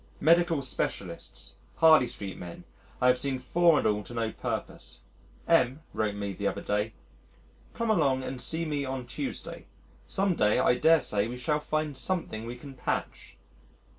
Medical specialists Harley Street men I have seen four and all to no purpose. M wrote me the other day, "Come along and see me on Tuesday; some day I dare say we shall find something we can patch."